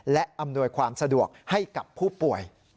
และอำนวยความสะดวกให้กับผู้ป่วย